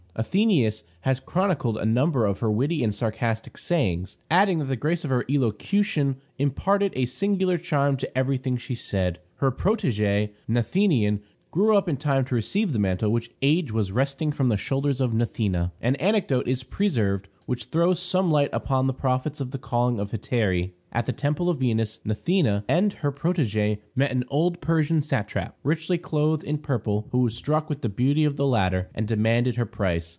Athenæus has chronicled a number of her witty and sarcastic sayings, adding that the grace of her elocution imparted a singular charm to every thing she said. Her protegée, Gnathenion, grew up in time to receive the mantle which age was wresting from the shoulders of Gnathena. An anecdote is preserved which throws some light upon the profits of the calling of hetairæ. At the temple of Venus, Gnathena and her protegée met an old Persian satrap, richly clothed in purple, who was struck with the beauty of the latter, and demanded her price.